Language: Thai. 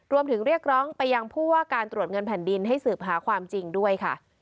เรียกร้องไปยังผู้ว่าการตรวจเงินแผ่นดินให้สืบหาความจริงด้วยค่ะ